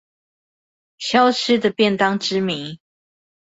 消失的便當之謎